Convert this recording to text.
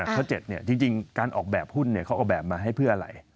ข้อ๗จริงการออกแบบหุ้นเขาออกแบบมาให้เพื่ออะไร